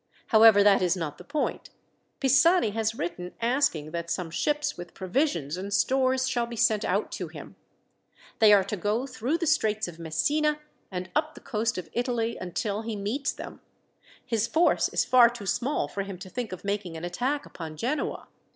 "However, that is not the point. Pisani has written asking that some ships with provisions and stores shall be sent out to him. They are to go through the Straits of Messina and up the coast of Italy until he meets them. His force is far too small for him to think of making an attack upon Genoa.